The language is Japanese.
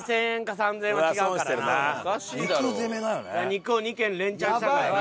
肉を２軒連チャンしたからな。